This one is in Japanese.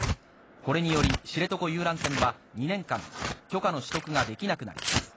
それにより知床遊覧船は、２年間、許可の取得ができなくなります。